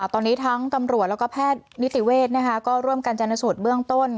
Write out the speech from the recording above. ตอนนี้ทั้งตำรวจแล้วก็แพทย์นิติเวศก็ร่วมกันจนสูตรเบื้องต้น